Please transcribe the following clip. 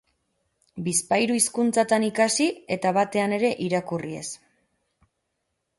Bizpahiru hizkuntzatan ikasi eta batean ere irakurri ez.